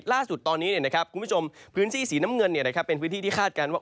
ล่าสุดตอนนี้นะครับคุณผู้ชมพื้นที่สีน้ำเงินเนี่ยนะครับเป็นพื้นที่ที่คาดการณ์ว่า